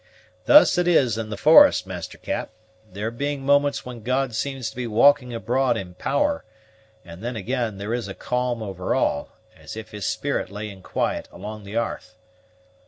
Thus it is in the forest, Master Cap; there being moments when God seems to be walking abroad in power, and then, again, there is a calm over all, as if His spirit lay in quiet along the 'arth.